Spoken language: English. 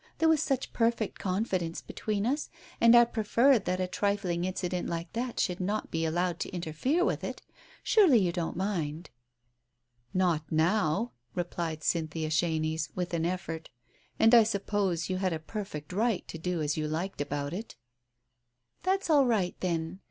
There was such perfect confidence between us, and I preferred that a trifling incident like that should not be allowed to inter fere with it. Surely you don't mind?" " Not now !" replied Cynthia Chenies, with an effort. "And I suppose you had a perfect right to do as you liked about it." Digitized by Google THE MEMOIR 87 "That's all right then.